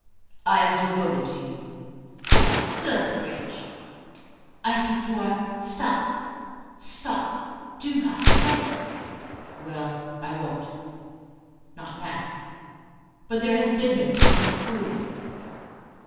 "I am devoted to you." "Lord Silverbridge!" "I think you are " "Stop, stop. Do not say it." "Well I won't; not now. But there has been no tomfoolery."